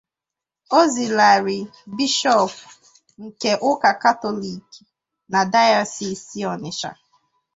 Ọzilarị Bishọọpụ nke ụka Katọliiki na Dayọsiisi Ọnịtsha